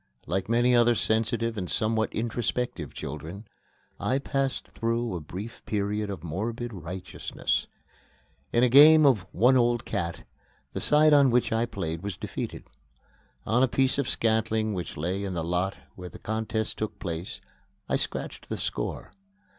Like many other sensitive and somewhat introspective children, I passed through a brief period of morbid righteousness. In a game of "one old cat," the side on which I played was defeated. On a piece of scantling which lay in the lot where the contest took place, I scratched the score.